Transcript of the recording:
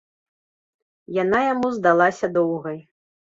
Яна яму здалася доўгай.